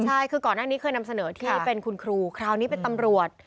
ใช่คือก่อนหน้านี้เคยนำเสนอที่เป็นคุณครูคราวนี้เป็นตำรวจ